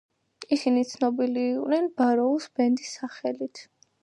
ისინი ცნობილნი იყვნენ ბაროუს ბანდის სახელით.